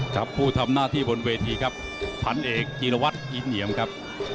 ครับผู้ทำหน้าที่บนเวทีครับผันเอกกินวัฒน์อินเหยียมครับ